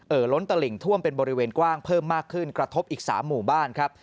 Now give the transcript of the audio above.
ล้นตลิ่งท่วมเป็นบริเวณกว้างเพิ่มมากขึ้นกระทบอีก๓หมู่บ้านครับ